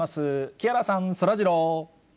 木原さん、そらジロー。